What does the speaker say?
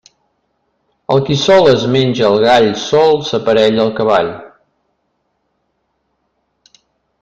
El qui sol es menja el gall sol s'aparella el cavall.